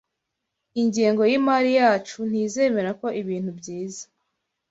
Ingengo yimari yacu ntizemera ko ibintu byiza.